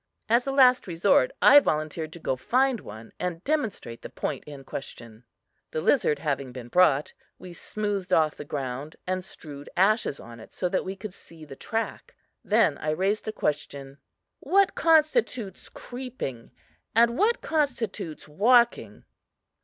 As a last resort, I volunteered to go find one, and demonstrate the point in question. The lizard having been brought, we smoothed off the ground and strewed ashes on it so that we could see the track. Then I raised the question: "What constitutes creeping, and what constitutes walking?"